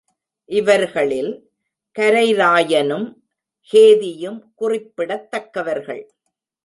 இவர்களில் கரைராயனும், ஹேதி யும் குறிப்பிடத்தக்கவர்கள்.